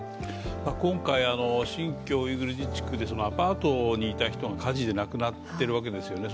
今回、新疆ウイグル自治区でアパートにいた人が火事で亡くなっているわけですよね。